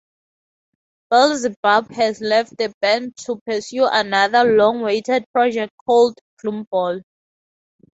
Beelzebub has left the band to pursue another long-awaited project called Gloomball.